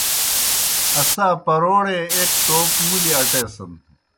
اسا پرَوڑے ایْک ٹوپ مُلیْ اٹیسَن۔